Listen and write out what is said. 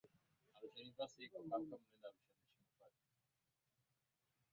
Wataajiri na kulipa mishahara ya watumishi wa afya kwenye vituo vya afya